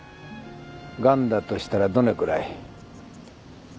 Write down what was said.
ガンだとしたらどのぐらい？